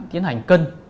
tiến hành cân